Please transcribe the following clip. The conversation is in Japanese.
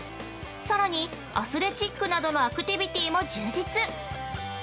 さらにアスレチックなどのアクティビティも充実。